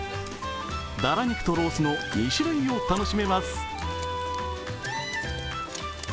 ばら肉とロースの２種類を楽しめます。